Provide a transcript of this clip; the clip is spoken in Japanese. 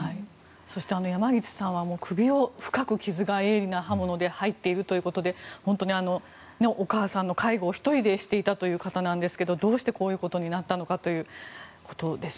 そして山岸さんは首を深く傷が、鋭利な刃物で入っているということで本当にお母さんの介護を１人でしていたという方なんですがどうして、こういうことになったのかという。